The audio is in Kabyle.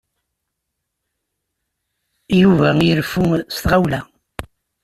Yuba ireffu s tɣawla.